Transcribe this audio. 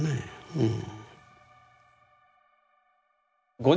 うん。